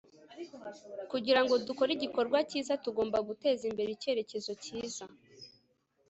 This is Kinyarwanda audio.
kugira ngo dukore igikorwa cyiza tugomba guteza imbere icyerekezo cyiza